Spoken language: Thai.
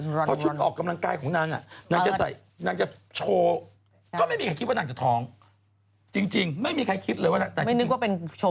เพราะชุดออกกำลังกายของนางนางจะใส่นางจะโชว์